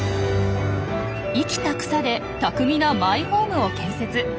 生きた草で巧みなマイホームを建設。